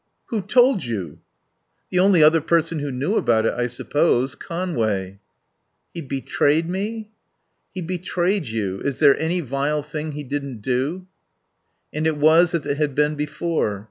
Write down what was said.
"Who who told you?" "The only other person who knew about it, I suppose Conway." "He betrayed me?" "He betrayed you. Is there any vile thing he didn't do?" And it was as it had been before.